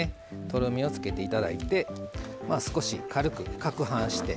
とろみをつけて頂いて少し軽くかくはんして。